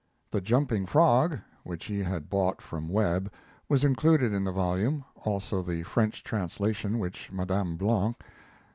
"The Jumping Frog," which he had bought from Webb, was included in the volume, also the French translation which Madame Blanc (Th.